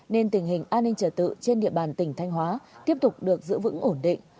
nên tình hình an ninh trở tự trên địa bàn tỉnh thanh hóa tiếp tục được giữ vững ổn định